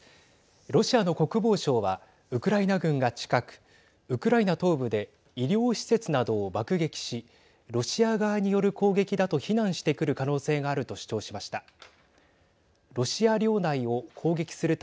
ロシアの国防省はウクライナ軍が近くウクライナ東部で医療施設などを爆撃しロシア側による攻撃だと非難してくる可能性があると主張しました。